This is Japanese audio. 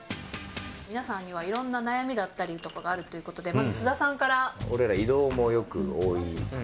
皆さんには、いろんな悩みだったりとかがあるということで、俺ら、移動もよく多い。